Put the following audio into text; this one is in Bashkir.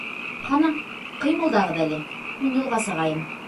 Ҡана, ҡыймылдағыҙ әле, мин юлға сығайым!